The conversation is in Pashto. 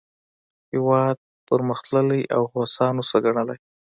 هېواد پرمختللی او هوسا نه شو ګڼلای.